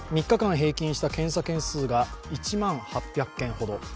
３日間平均した検査件数が１万８００件ほど。